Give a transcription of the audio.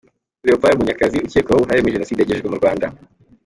Leopold Munyakazi ukekwaho uruhare muri jenoside yagejejwe mu Rwanda.